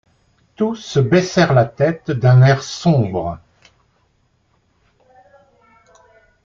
Tous baissèrent la tête d’un air sombre.